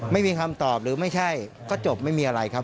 ไม่มีคำตอบหรือไม่ใช่ก็จบไม่มีอะไรครับ